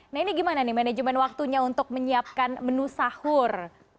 nah ini gimana nih manajemen waktunya untuk menyiapkan menu sahur